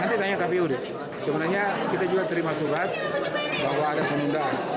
nanti tanya kpu deh sebenarnya kita juga terima surat bahwa ada penundaan